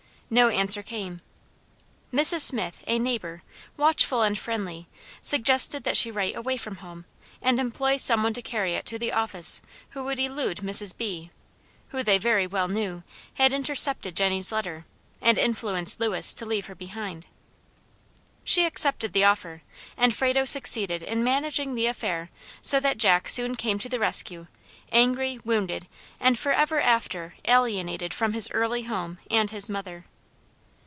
No answer came. Mrs. Smith, a neighbor, watchful and friendly, suggested that she write away from home, and employ some one to carry it to the office who would elude Mrs. B., who, they very well knew, had intercepted Jenny's letter, and influenced Lewis to leave her behind. She accepted the offer, and Frado succeeded in managing the affair so that Jack soon came to the rescue, angry, wounded, and forever after alienated from his early home and his mother.